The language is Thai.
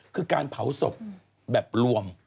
คือการเผาศพแบบรวม